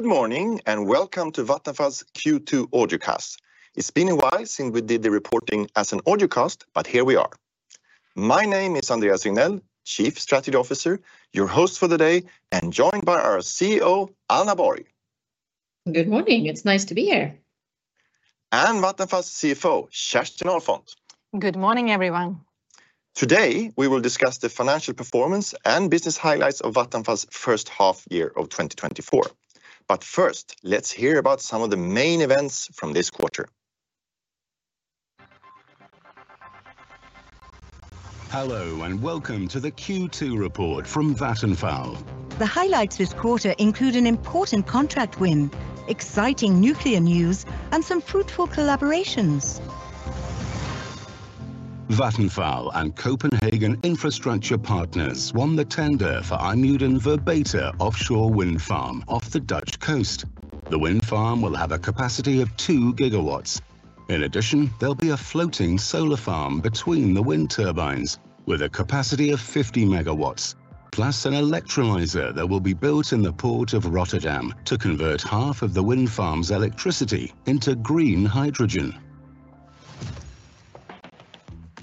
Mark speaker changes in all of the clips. Speaker 1: Good morning and welcome to Vattenfall's Q2 Audiocast. It's been a while since we did the reporting as an audiocast, but here we are. My name is Andreas Regnell, Chief Strategy Officer, your host for the day, and joined by our CEO, Anna Borg.
Speaker 2: Good morning. It's nice to be here.
Speaker 1: Vattenfall's CFO, Kerstin Ahlfont.
Speaker 3: Good morning, everyone.
Speaker 1: Today we will discuss the financial performance and business highlights of Vattenfall's first half year of 2024. But first, let's hear about some of the main events from this quarter.
Speaker 4: Hello and welcome to the Q2 report from Vattenfall.
Speaker 5: The highlights this quarter include an important contract win, exciting nuclear news, and some fruitful collaborations.
Speaker 4: Vattenfall and Copenhagen Infrastructure Partners won the tender for IJmuiden Ver Beta offshore wind farm off the Dutch coast. The wind farm will have a capacity of 2 GW. In addition, there'll be a floating solar farm between the wind turbines with a capacity of 50 MW, plus an electrolyzer that will be built in the port of Rotterdam to convert half of the wind farm's electricity into green hydrogen.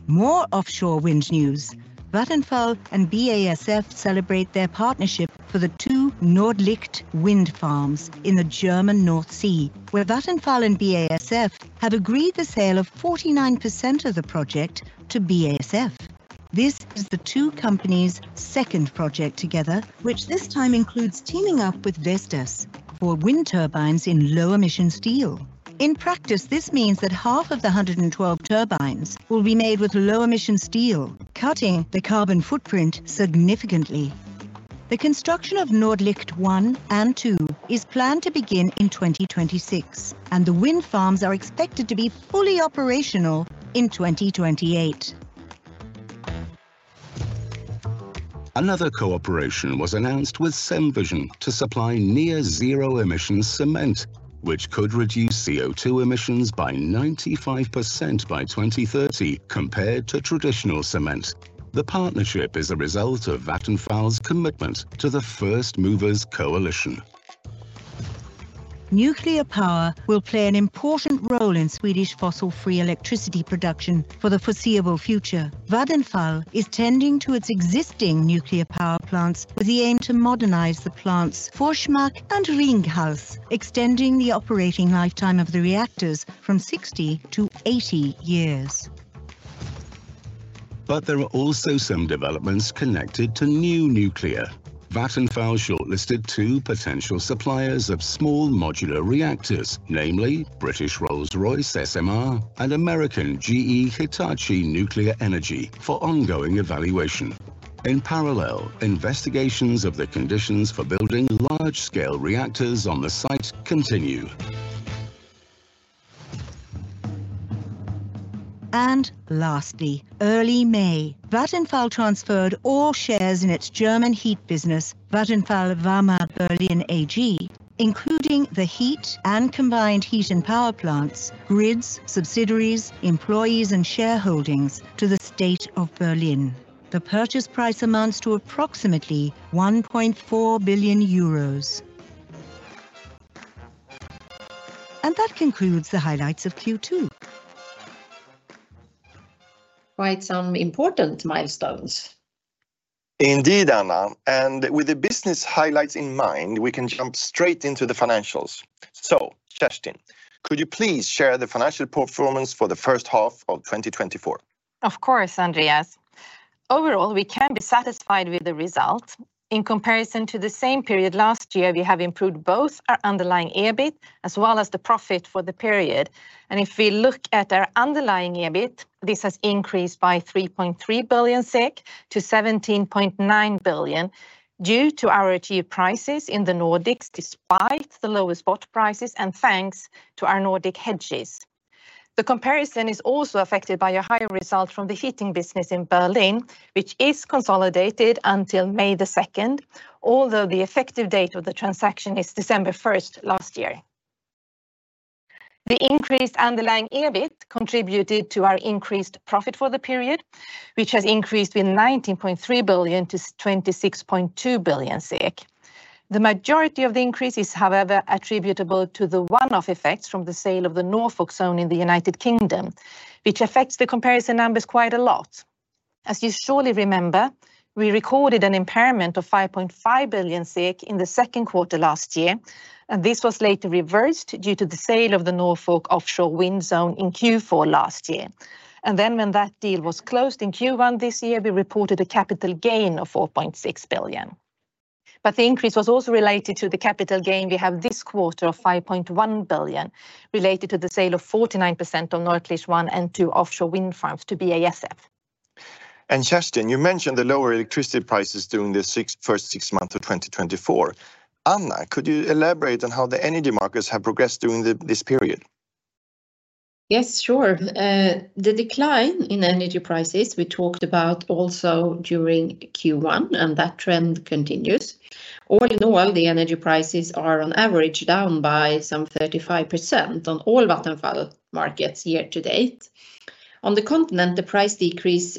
Speaker 5: More offshore wind news. Vattenfall and BASF celebrate their partnership for the two Nordlicht wind farms in the German North Sea, where Vattenfall and BASF have agreed the sale of 49% of the project to BASF. This is the two companies' second project together, which this time includes teaming up with Vestas for wind turbines in low-emission steel. In practice, this means that half of the 112 turbines will be made with low-emission steel, cutting the carbon footprint significantly. The construction of Nordlicht 1 and 2 is planned to begin in 2026, and the wind farms are expected to be fully operational in 2028.
Speaker 4: Another cooperation was announced with Cemvision to supply near-zero-emission cement, which could reduce CO2 emissions by 95% by 2030 compared to traditional cement. The partnership is a result of Vattenfall's commitment to the First Movers Coalition.
Speaker 5: Nuclear power will play an important role in Swedish fossil-free electricity production for the foreseeable future. Vattenfall is tending to its existing nuclear power plants with the aim to modernize the plant's Forsmark and Ringhals, extending the operating lifetime of the reactors from 60 to 80 years.
Speaker 4: But there are also some developments connected to new nuclear. Vattenfall shortlisted two potential suppliers of small modular reactors, namely British Rolls-Royce SMR and American GE Hitachi Nuclear Energy, for ongoing evaluation. In parallel, investigations of the conditions for building large-scale reactors on the site continue.
Speaker 5: Lastly, early May, Vattenfall transferred all shares in its German heat business, Vattenfall Wärme Berlin AG, including the heat and combined heat and power plants, grids, subsidiaries, employees, and shareholdings to the State of Berlin. The purchase price amounts to approximately 1.4 billion euros. That concludes the highlights of Q2.
Speaker 2: Quite some important milestones.
Speaker 1: Indeed, Anna. With the business highlights in mind, we can jump straight into the financials. Kerstin, could you please share the financial performance for the first half of 2024?
Speaker 3: Of course, Andreas. Overall, we can be satisfied with the result. In comparison to the same period last year, we have improved both our underlying EBIT as well as the profit for the period. And if we look at our underlying EBIT, this has increased by 3.3 billion-17.9 billion SEK due to our achieved prices in the Nordics, despite the lowest spot prices, and thanks to our Nordic hedges. The comparison is also affected by a higher result from the heating business in Berlin, which is consolidated until May the 2nd, although the effective date of the transaction is December 1st last year. The increased underlying EBIT contributed to our increased profit for the period, which has increased from 19.3 billion-26.2 billion SEK. The majority of the increase is, however, attributable to the one-off effects from the sale of the Norfolk zone in the United Kingdom, which affects the comparison numbers quite a lot. As you surely remember, we recorded an impairment of 5.5 billion in the second quarter last year, and this was later reversed due to the sale of the Norfolk offshore wind zone in Q4 last year. And then when that deal was closed in Q1 this year, we reported a capital gain of 4.6 billion. But the increase was also related to the capital gain we have this quarter of 5.1 billion related to the sale of 49% of Nordlicht 1 and 2 offshore wind farms to BASF.
Speaker 1: Kerstin, you mentioned the lower electricity prices during the first six months of 2024. Anna, could you elaborate on how the energy markets have progressed during this period?
Speaker 2: Yes, sure. The decline in energy prices we talked about also during Q1, and that trend continues. All in all, the energy prices are on average down by some 35% on all Vattenfall markets year to date. On the continent, the price decrease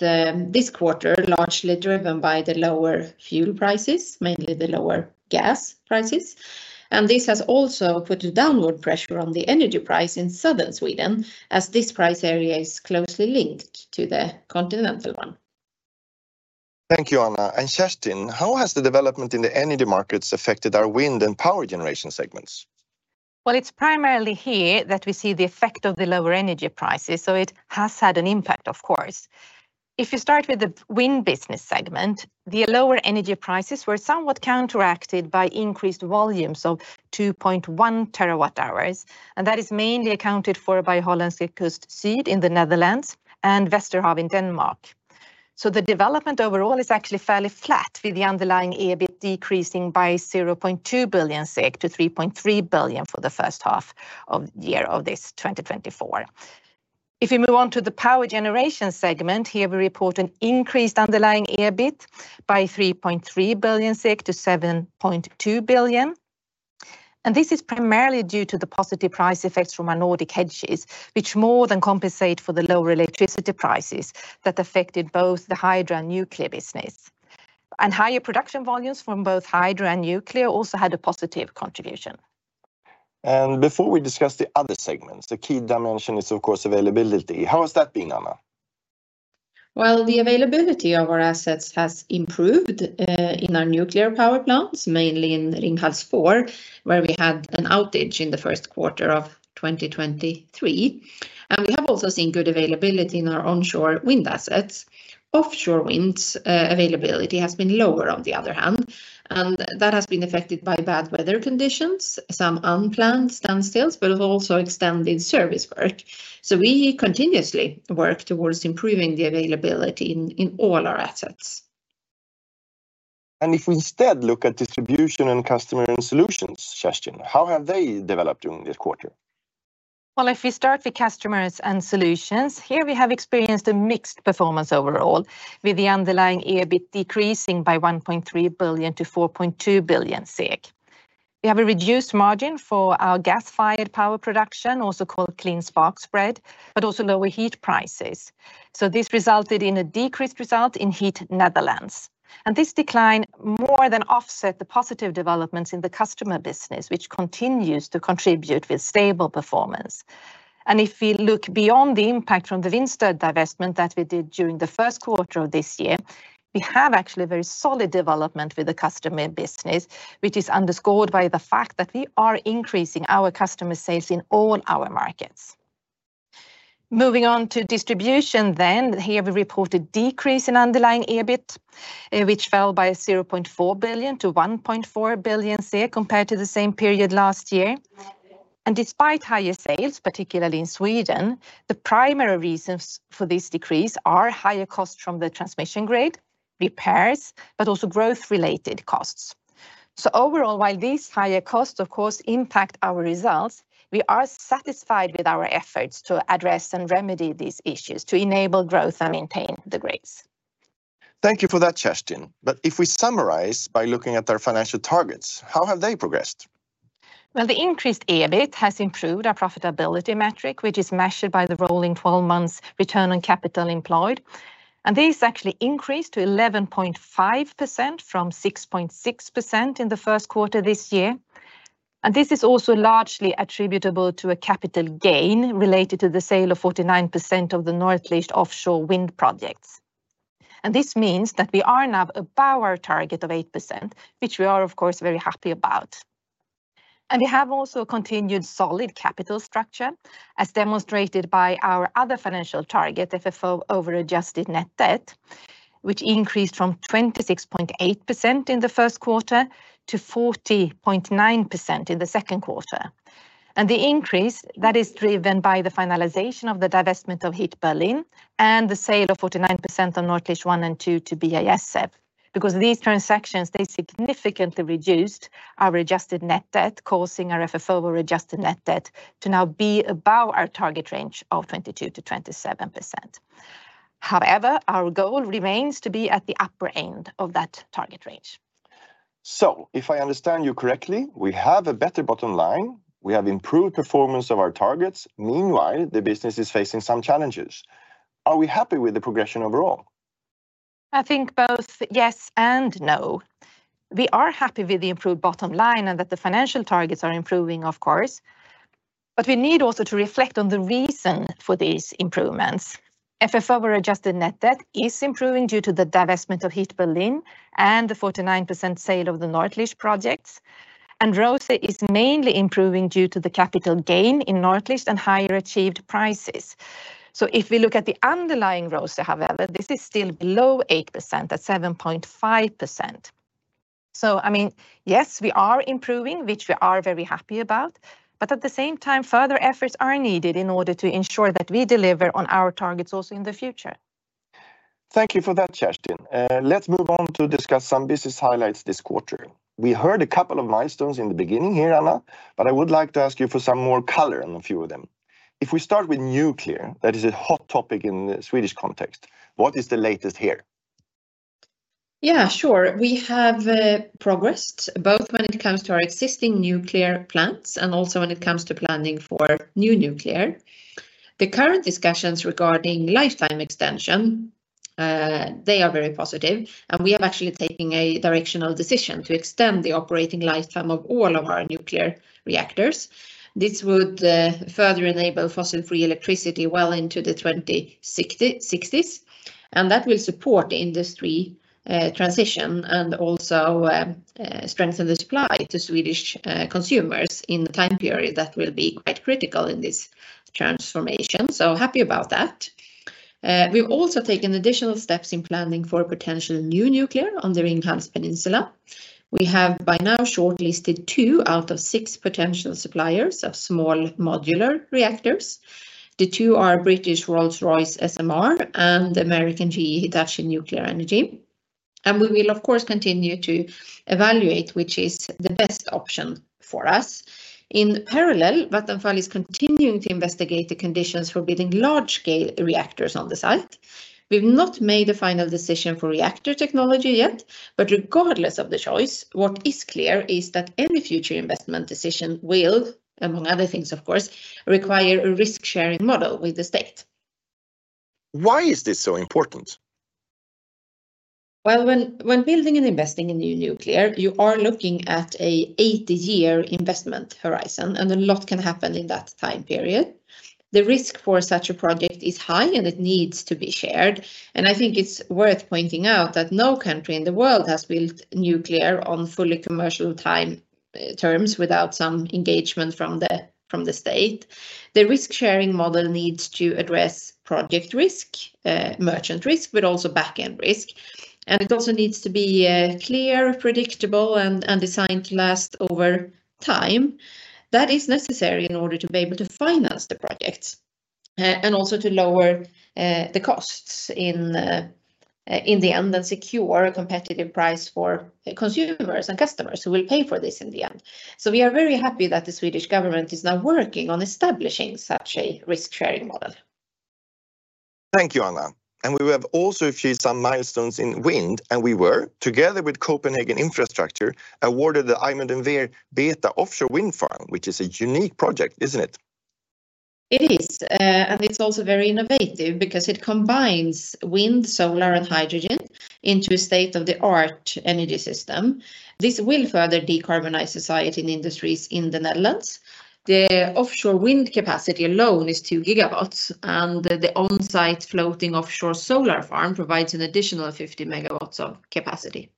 Speaker 2: this quarter is largely driven by the lower fuel prices, mainly the lower gas prices. And this has also put downward pressure on the energy price in southern Sweden, as this price area is closely linked to the continental one.
Speaker 1: Thank you, Anna. Kerstin, how has the development in the energy markets affected our wind and power generation segments?
Speaker 3: Well, it's primarily here that we see the effect of the lower energy prices, so it has had an impact, of course. If you start with the wind business segment, the lower energy prices were somewhat counteracted by increased volumes of 2.1 TWh, and that is mainly accounted for by Hollandse Kust Zuid in the Netherlands and Vesterhav in Denmark. So the development overall is actually fairly flat, with the underlying EBIT decreasing by 0.2 billion-3.3 billion for the first half of the year of this 2024. If we move on to the power generation segment, here we report an increased underlying EBIT by 3.3 billion-7.2 billion SEK. And this is primarily due to the positive price effects from our Nordic hedges, which more than compensate for the lower electricity prices that affected both the hydro and nuclear business. Higher production volumes from both hydro and nuclear also had a positive contribution.
Speaker 1: Before we discuss the other segments, the key dimension is, of course, availability. How has that been, Anna?
Speaker 2: Well, the availability of our assets has improved in our nuclear power plants, mainly in Ringhals 4, where we had an outage in the first quarter of 2023. We have also seen good availability in our onshore wind assets. Offshore wind's availability has been lower, on the other hand, and that has been affected by bad weather conditions, some unplanned standstills, but also extended service work. We continuously work towards improving the availability in all our assets.
Speaker 1: If we instead look at distribution and customer and solutions, Kerstin, how have they developed during this quarter?
Speaker 3: Well, if we start with customers and solutions, here we have experienced a mixed performance overall, with the underlying EBIT decreasing by 1.3 billion-4.2 billion. We have a reduced margin for our gas-fired power production, also called clean spark spread, but also lower heat prices. So this resulted in a decreased result in Heat Netherlands. And this decline more than offsets the positive developments in the customer business, which continues to contribute with stable performance. And if we look beyond the impact from the wind divestment that we did during the first quarter of this year, we have actually a very solid development with the customer business, which is underscored by the fact that we are increasing our customer sales in all our markets. Moving on to distribution then, here we report a decrease in underlying EBIT, which fell by 0.4 billion-1.4 billion compared to the same period last year. And despite higher sales, particularly in Sweden, the primary reasons for this decrease are higher costs from the transmission grid, repairs, but also growth-related costs. So overall, while these higher costs, of course, impact our results, we are satisfied with our efforts to address and remedy these issues to enable growth and maintain the grid.
Speaker 1: Thank you for that, Kerstin. But if we summarize by looking at our financial targets, how have they progressed?
Speaker 3: Well, the increased EBIT has improved our profitability metric, which is measured by the rolling 12 months return on capital employed. This actually increased to 11.5% from 6.6% in the first quarter this year. This is also largely attributable to a capital gain related to the sale of 49% of the Nordlicht offshore wind projects. This means that we are now above our target of 8%, which we are, of course, very happy about. We have also continued solid capital structure, as demonstrated by our other financial target, FFO over adjusted net debt, which increased from 26.8% in the first quarter to 40.9% in the second quarter. The increase that is driven by the finalization of the divestment of Wärme Berlin and the sale of 49% of Nordlicht 1 and 2 to BASF, because these transactions, they significantly reduced our adjusted net debt, causing our FFO over adjusted net debt to now be above our target range of 22%-27%. However, our goal remains to be at the upper end of that target range.
Speaker 1: If I understand you correctly, we have a better bottom line, we have improved performance of our targets, meanwhile the business is facing some challenges. Are we happy with the progression overall?
Speaker 3: I think both yes and no. We are happy with the improved bottom line and that the financial targets are improving, of course. But we need also to reflect on the reason for these improvements. FFO over adjusted net debt is improving due to the divestment of Heat Berlin and the 49% sale of the Nordlicht projects. And ROCE is mainly improving due to the capital gain in Nordlicht and higher achieved prices. So if we look at the underlying ROCE, however, this is still below 8% at 7.5%. So I mean, yes, we are improving, which we are very happy about, but at the same time, further efforts are needed in order to ensure that we deliver on our targets also in the future.
Speaker 1: Thank you for that, Kerstin. Let's move on to discuss some business highlights this quarter. We heard a couple of milestones in the beginning here, Anna, but I would like to ask you for some more color on a few of them. If we start with nuclear, that is a hot topic in the Swedish context, what is the latest here?
Speaker 2: Yeah, sure. We have progressed both when it comes to our existing nuclear plants and also when it comes to planning for new nuclear. The current discussions regarding lifetime extension, they are very positive, and we have actually taken a directional decision to extend the operating lifetime of all of our nuclear reactors. This would further enable fossil-free electricity well into the 2060s, and that will support the industry transition and also strengthen the supply to Swedish consumers in the time period that will be quite critical in this transformation. So happy about that. We've also taken additional steps in planning for potential new nuclear on the Ringhals Peninsula. We have by now shortlisted two out of six potential suppliers of small modular reactors. The two are British Rolls-Royce SMR and American GE Hitachi Nuclear Energy. We will, of course, continue to evaluate which is the best option for us. In parallel, Vattenfall is continuing to investigate the conditions for building large-scale reactors on the site. We've not made a final decision for reactor technology yet, but regardless of the choice, what is clear is that any future investment decision will, among other things, of course, require a risk-sharing model with the state.
Speaker 1: Why is this so important?
Speaker 2: Well, when building and investing in new nuclear, you are looking at an 80-year investment horizon, and a lot can happen in that time period. The risk for such a project is high, and it needs to be shared. I think it's worth pointing out that no country in the world has built nuclear on fully commercial terms without some engagement from the state. The risk-sharing model needs to address project risk, merchant risk, but also back-end risk. It also needs to be clear, predictable, and designed to last over time. That is necessary in order to be able to finance the projects and also to lower the costs in the end and secure a competitive price for consumers and customers who will pay for this in the end. We are very happy that the Swedish government is now working on establishing such a risk-sharing model.
Speaker 1: Thank you, Anna. And we have also achieved some milestones in wind, and we were, together with Copenhagen Infrastructure, awarded the IJmuiden Ver Beta offshore wind farm, which is a unique project, isn't it?
Speaker 2: It is, and it's also very innovative because it combines wind, solar, and hydrogen into a state-of-the-art energy system. This will further decarbonize society and industries in the Netherlands. The offshore wind capacity alone is 2 GW, and the on-site floating offshore solar farm provides an additional 50 MW of capacity.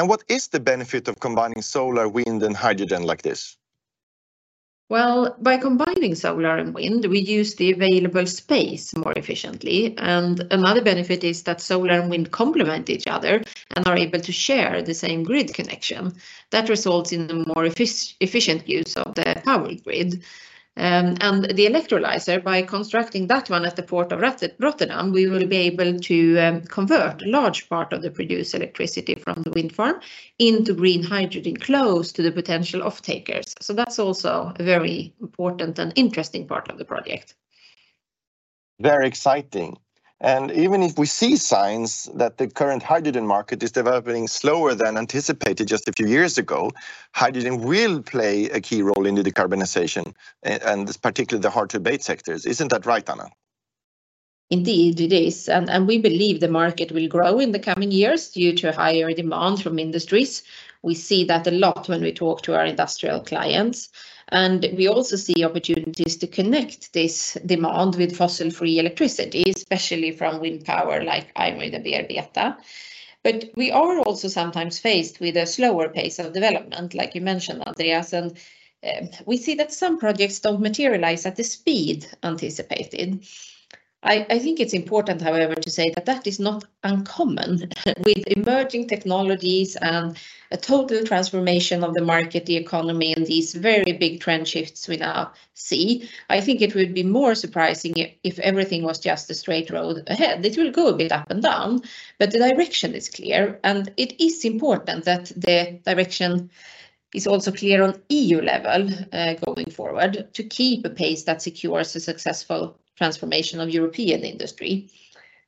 Speaker 1: What is the benefit of combining solar, wind, and hydrogen like this?
Speaker 2: Well, by combining solar and wind, we use the available space more efficiently. Another benefit is that solar and wind complement each other and are able to share the same grid connection. That results in a more efficient use of the power grid. The electrolyzer, by constructing that one at the port of Rotterdam, we will be able to convert a large part of the produced electricity from the wind farm into green hydrogen close to the potential off-takers. That's also a very important and interesting part of the project.
Speaker 1: Very exciting. Even if we see signs that the current hydrogen market is developing slower than anticipated just a few years ago, hydrogen will play a key role in the decarbonization, and particularly the hard-to-abate sectors. Isn't that right, Anna?
Speaker 2: Indeed, it is. We believe the market will grow in the coming years due to higher demand from industries. We see that a lot when we talk to our industrial clients. We also see opportunities to connect this demand with fossil-free electricity, especially from wind power like IJmuiden Ver Beta. We are also sometimes faced with a slower pace of development, like you mentioned, Andreas. We see that some projects don't materialize at the speed anticipated. I think it's important, however, to say that that is not uncommon with emerging technologies and a total transformation of the market, the economy, and these very big trend shifts we now see. I think it would be more surprising if everything was just a straight road ahead. It will go a bit up and down, but the direction is clear. It is important that the direction is also clear on EU level going forward to keep a pace that secures a successful transformation of European industry.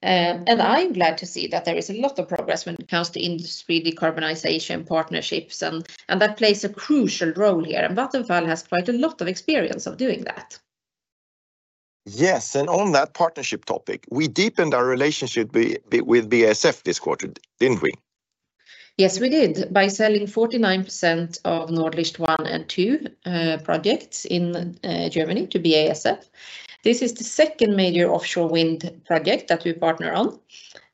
Speaker 2: I'm glad to see that there is a lot of progress when it comes to industry decarbonization partnerships, and that plays a crucial role here. Vattenfall has quite a lot of experience of doing that.
Speaker 1: Yes. And on that partnership topic, we deepened our relationship with BASF this quarter, didn't we?
Speaker 2: Yes, we did, by selling 49% of Nordlicht 1 and 2 projects in Germany to BASF. This is the second major offshore wind project that we partner on.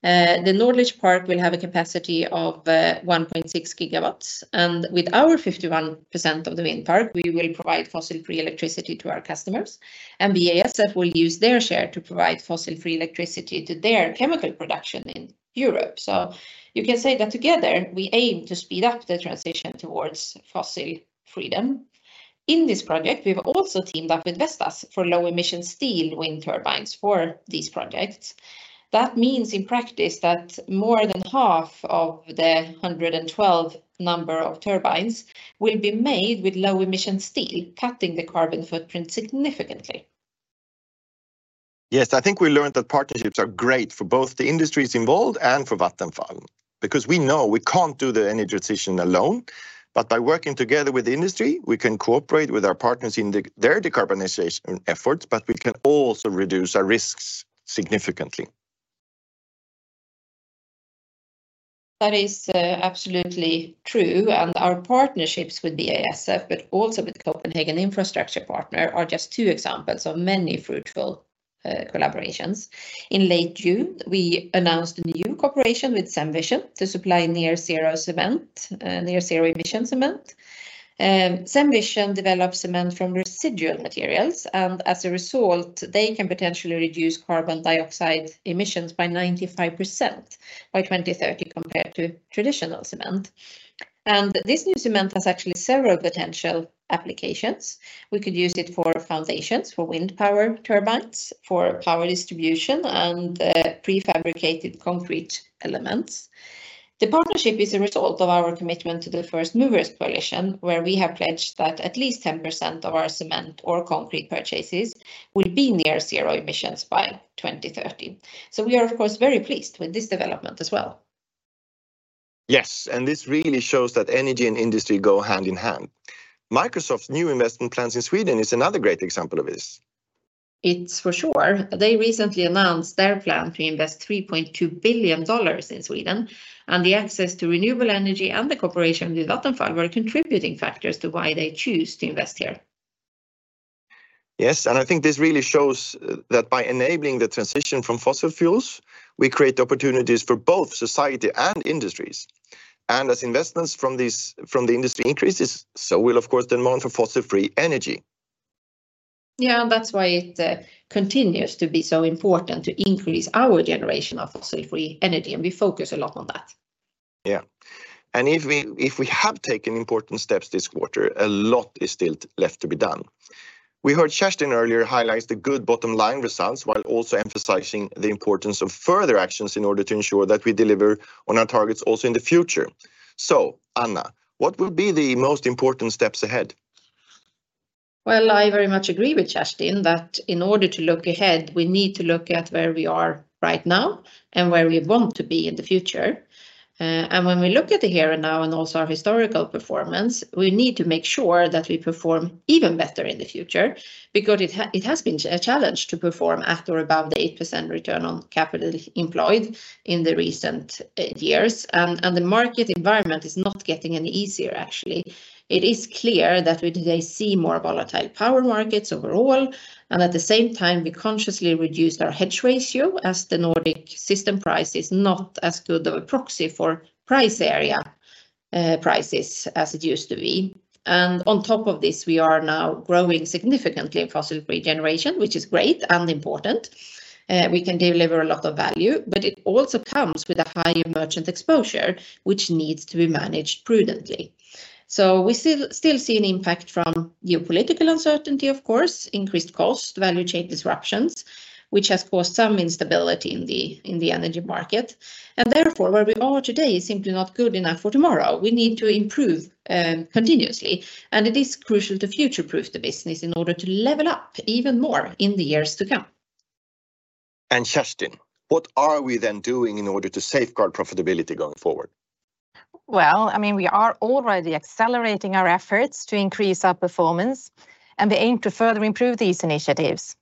Speaker 2: The Nordlicht park will have a capacity of 1.6 GW. With our 51% of the wind park, we will provide fossil-free electricity to our customers. BASF will use their share to provide fossil-free electricity to their chemical production in Europe. So you can say that together, we aim to speed up the transition towards fossil freedom. In this project, we've also teamed up with Vestas for low-emission steel wind turbines for these projects. That means in practice that more than half of the 112 turbines will be made with low-emission steel, cutting the carbon footprint significantly.
Speaker 1: Yes, I think we learned that partnerships are great for both the industries involved and for Vattenfall, because we know we can't do the energy transition alone, but by working together with the industry, we can cooperate with our partners in their decarbonization efforts, but we can also reduce our risks significantly.
Speaker 2: That is absolutely true. Our partnerships with BASF, but also with the Copenhagen Infrastructure Partners, are just two examples of many fruitful collaborations. In late June, we announced a new cooperation with Cemvision to supply near-zero-emission cement. Cemvision develops cement from residual materials, and as a result, they can potentially reduce carbon dioxide emissions by 95% by 2030 compared to traditional cement. This new cement has actually several potential applications. We could use it for foundations for wind power turbines, for power distribution, and prefabricated concrete elements. The partnership is a result of our commitment to the First Movers Coalition, where we have pledged that at least 10% of our cement or concrete purchases will be near-zero emissions by 2030. We are, of course, very pleased with this development as well.
Speaker 1: Yes. And this really shows that energy and industry go hand in hand. Microsoft's new investment plans in Sweden are another great example of this.
Speaker 2: It's for sure. They recently announced their plan to invest $3.2 billion in Sweden, and the access to renewable energy and the cooperation with Vattenfall were contributing factors to why they chose to invest here.
Speaker 1: Yes. And I think this really shows that by enabling the transition from fossil fuels, we create opportunities for both society and industries. And as investments from the industry increase, so will, of course, the demand for fossil-free energy.
Speaker 2: Yeah, that's why it continues to be so important to increase our generation of fossil-free energy, and we focus a lot on that.
Speaker 1: Yeah. If we have taken important steps this quarter, a lot is still left to be done. We heard Kerstin earlier highlight the good bottom line results while also emphasizing the importance of further actions in order to ensure that we deliver on our targets also in the future. So, Anna, what will be the most important steps ahead?
Speaker 2: Well, I very much agree with Kerstin that in order to look ahead, we need to look at where we are right now and where we want to be in the future. When we look at the here and now and also our historical performance, we need to make sure that we perform even better in the future because it has been a challenge to perform after about an 8% Return on Capital Employed in the recent years. The market environment is not getting any easier, actually. It is clear that we today see more volatile power markets overall, and at the same time, we consciously reduced our hedge ratio as the Nordic system price is not as good of a proxy for price area prices as it used to be. On top of this, we are now growing significantly in fossil-free generation, which is great and important. We can deliver a lot of value, but it also comes with a high merchant exposure, which needs to be managed prudently. We still see an impact from geopolitical uncertainty, of course, increased cost, value chain disruptions, which has caused some instability in the energy market. Therefore, where we are today is simply not good enough for tomorrow. We need to improve continuously, and it is crucial to future-proof the business in order to level up even more in the years to come.
Speaker 1: Kerstin, what are we then doing in order to safeguard profitability going forward?
Speaker 3: Well, I mean, we are already accelerating our efforts to increase our performance, and we aim to further improve these initiatives.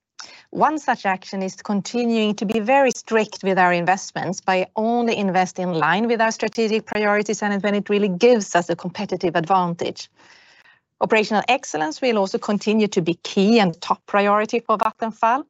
Speaker 3: One such action is continuing to be very strict with our investments by only investing in line with our strategic priorities and when it really gives us a competitive advantage. Operational excellence will also continue to be key and top priority for Vattenfall,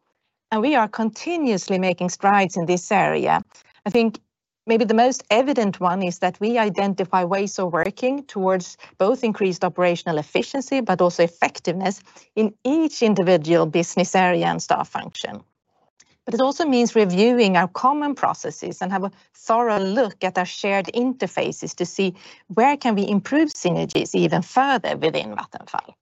Speaker 3: and we are continuously making strides in this area. I think maybe the most evident one is that we identify ways of working towards both increased operational efficiency, but also effectiveness in each individual business area and staff function. But it also means reviewing our common processes and having a thorough look at our shared interfaces to see where can we improve synergies even further within Vattenfall.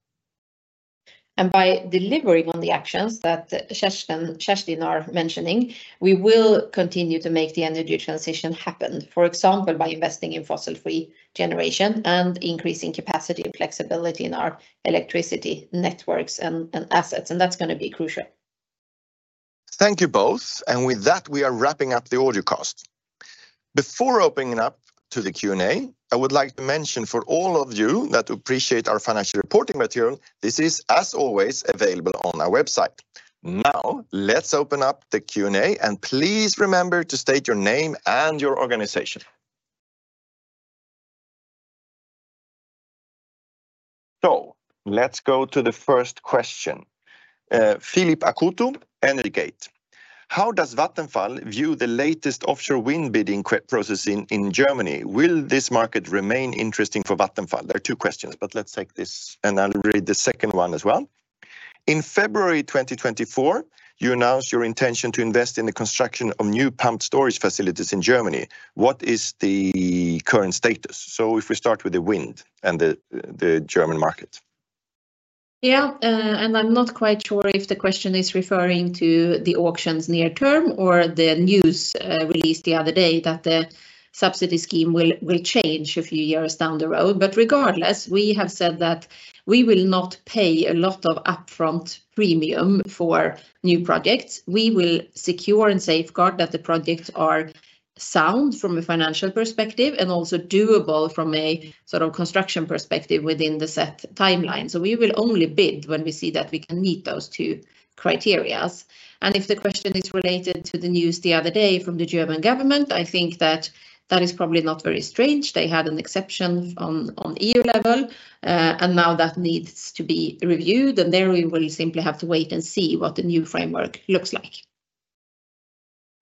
Speaker 2: By delivering on the actions that Kerstin and are mentioning, we will continue to make the energy transition happen, for example, by investing in fossil-free generation and increasing capacity and flexibility in our electricity networks and assets. That's going to be crucial.
Speaker 1: Thank you both. And with that, we are wrapping up the audiocast. Before opening up to the Q&A, I would like to mention for all of you that appreciate our financial reporting material, this is, as always, available on our website. Now, let's open up the Q&A, and please remember to state your name and your organization. So let's go to the first question. Philipp Akoto, Energate. How does Vattenfall view the latest offshore wind bidding process in Germany? Will this market remain interesting for Vattenfall? There are two questions, but let's take this and I'll read the second one as well. In February 2024, you announced your intention to invest in the construction of new pumped storage facilities in Germany. What is the current status? So if we start with the wind and the German market.
Speaker 2: Yeah, and I'm not quite sure if the question is referring to the auctions near term or the news released the other day that the subsidy scheme will change a few years down the road. But regardless, we have said that we will not pay a lot of upfront premium for new projects. We will secure and safeguard that the projects are sound from a financial perspective and also doable from a sort of construction perspective within the set timeline. So we will only bid when we see that we can meet those two criteria. And if the question is related to the news the other day from the German government, I think that that is probably not very strange. They had an exception on EU level, and now that needs to be reviewed, and there we will simply have to wait and see what the new framework looks like.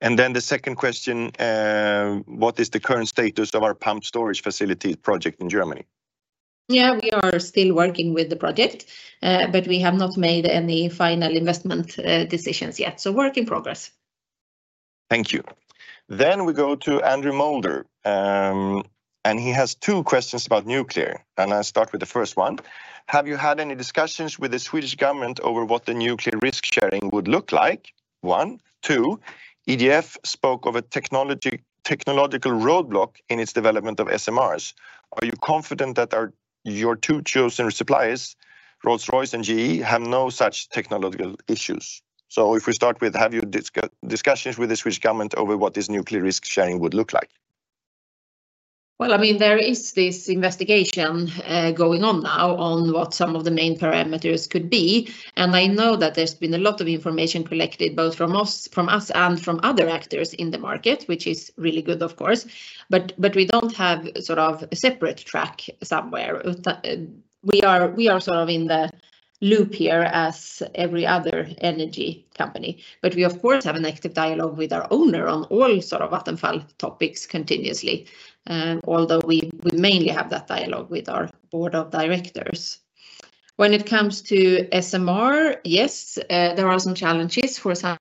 Speaker 1: The second question, what is the current status of our pumped storage facilities project in Germany?
Speaker 2: Yeah, we are still working with the project, but we have not made any final investment decisions yet. Work in progress.
Speaker 1: Thank you. Then we go to Andrew Moulder, and he has two questions about nuclear. And I'll start with the first one. Have you had any discussions with the Swedish government over what the nuclear risk sharing would look like? One. Two, EDF spoke of a technological roadblock in its development of SMRs. Are you confident that your two chosen suppliers, Rolls-Royce and GE, have no such technological issues? So if we start with, have you discussed discussions with the Swedish government over what this nuclear risk sharing would look like?
Speaker 2: Well, I mean, there is this investigation going on now on what some of the main parameters could be. I know that there's been a lot of information collected both from us and from other actors in the market, which is really good, of course. We don't have sort of a separate track somewhere. We are sort of in the loop here as every other energy company. We, of course, have an active dialogue with our owner on all sort of Vattenfall topics continuously, although we mainly have that dialogue with our board of directors. When it comes to SMR, yes, there are some challenges for some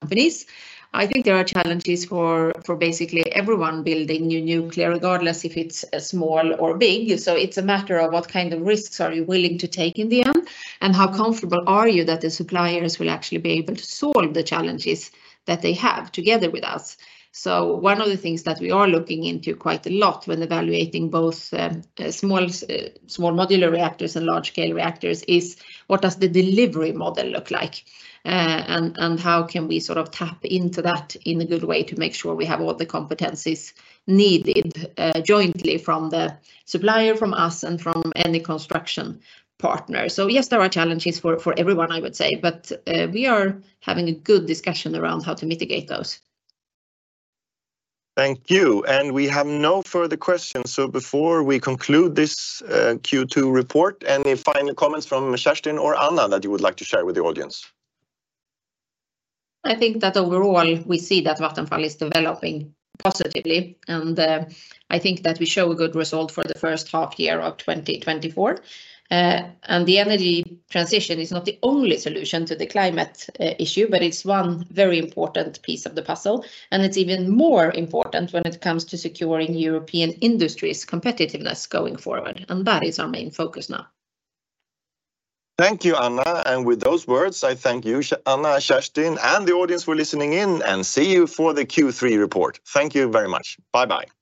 Speaker 2: companies. I think there are challenges for basically everyone building new nuclear, regardless if it's small or big. So it's a matter of what kind of risks are you willing to take in the end, and how comfortable are you that the suppliers will actually be able to solve the challenges that they have together with us. So one of the things that we are looking into quite a lot when evaluating both small modular reactors and large-scale reactors is what does the delivery model look like, and how can we sort of tap into that in a good way to make sure we have all the competencies needed jointly from the supplier, from us, and from any construction partner. So yes, there are challenges for everyone, I would say, but we are having a good discussion around how to mitigate those.
Speaker 1: Thank you. We have no further questions. Before we conclude this Q2 report, any final comments from Kerstin or Anna that you would like to share with the audience?
Speaker 2: I think that overall, we see that Vattenfall is developing positively, and I think that we show a good result for the first half year of 2024. The energy transition is not the only solution to the climate issue, but it's one very important piece of the puzzle. It's even more important when it comes to securing European industry's competitiveness going forward. That is our main focus now.
Speaker 1: Thank you, Anna. And with those words, I thank you, Anna, Kerstin and the audience for listening in, and see you for the Q3 report. Thank you very much. Bye-bye.